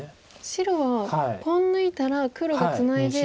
白はポン抜いたら黒がツナいで